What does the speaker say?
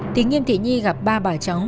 thì nghiêm thị nhi gặp ba bà cháu